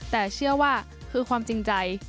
แต่เชื่อว่าคือความจริงใจ